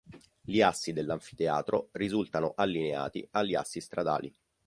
Gli assi dell’anfiteatro risultano allineati agli assi stradali.